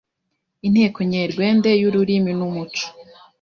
Inteko Nyerwende y’Ururimi n’Umuco,